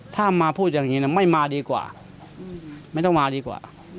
ถ้ามาพูดอย่างนี้ไม่มาดีกว่าไม่ต้องมาดีกว่า